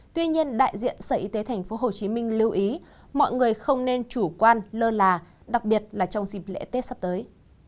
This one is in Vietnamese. tuy nhiên đại diện sở y tế thành phố hồ chí minh lưu ý mọi người không nên chủ quan lơ là đặc biệt là trong dịp lễ tết sắp tới